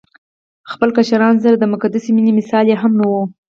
خپلو کشرانو سره د مقدسې مينې مثال يې هم نه وو